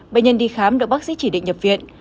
bệnh nhân đi khám được bác sĩ chỉ định nhập viện